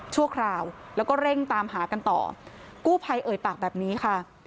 ชั่วคราวแล้วก็เร่งตามหากันต่อกู้ภัยเอ่ยปากแบบนี้ค่ะ